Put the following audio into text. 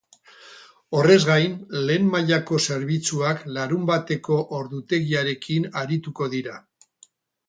Horrez gain, lehen mailako zerbitzuak larunbateko ordutegiarekin arituko dira.